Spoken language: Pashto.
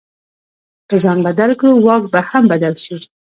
که ځان بدل کړو، واک به هم بدل شي.